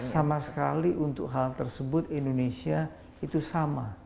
sama sekali untuk hal tersebut indonesia itu sama